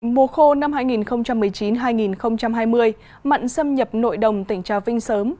mùa khô năm hai nghìn một mươi chín hai nghìn hai mươi mặn xâm nhập nội đồng tỉnh trà vinh sớm